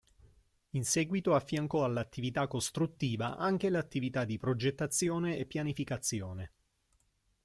In seguito affiancò all'attività costruttiva anche l'attività di progettazione e pianificazione.